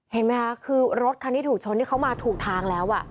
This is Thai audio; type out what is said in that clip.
เห็นไหมคะคือรถคันที่ถูกชนที่เขามาถูกทางแล้ว